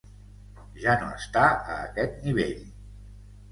Ja no està a aquest nivell.